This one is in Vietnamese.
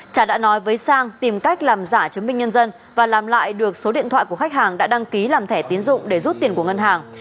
trả đã nói với sang tìm cách làm giả chứng minh nhân dân và làm lại được số điện thoại của khách hàng đã đăng ký làm thẻ tiến dụng để rút tiền của ngân hàng